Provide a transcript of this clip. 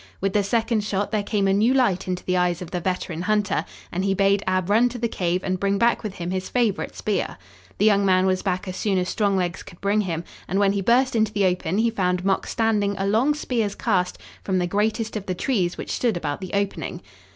With the second shot there came a new light into the eyes of the veteran hunter and he bade Ab run to the cave and bring back with him his favorite spear. The young man was back as soon as strong legs could bring him, and when he burst into the open he found Mok standing a long spear's cast from the greatest of the trees which stood about the opening.